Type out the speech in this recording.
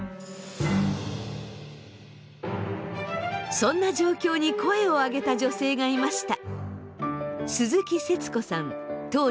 そんな状況に声を上げた女性がいました。